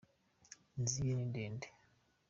Inzu ye ni ndende.